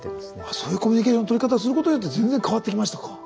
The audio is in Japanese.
そういうコミュニケーションのとり方をすることによって全然変わってきましたか。